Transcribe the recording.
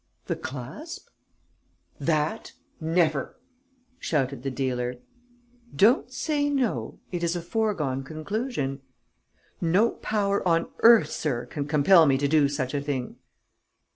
"The clasp." "That, never!" shouted the dealer. "Don't say no. It's a foregone conclusion." "No power on earth, sir, can compel me to do such a thing!"